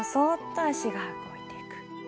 足が動いていく。